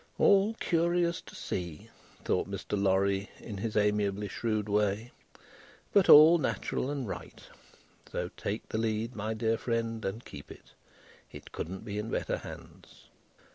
"All curious to see," thought Mr. Lorry, in his amiably shrewd way, "but all natural and right; so, take the lead, my dear friend, and keep it; it couldn't be in better hands."